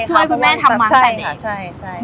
ช่วยคุณแม่ทำมาให้สำเน็ต